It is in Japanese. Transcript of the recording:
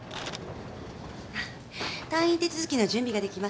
・退院手続きの準備ができました。